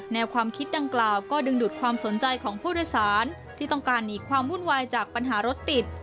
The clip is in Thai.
แนวความคิดดังกล่าวก็ดึงดูดความสนใจของผู้โดยสารที่ต้องการหนีความวุ่นวายจากปัญหารถติด